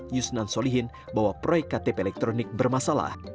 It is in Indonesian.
yusnan solihin bahwa proyek ktp elektronik bermasalah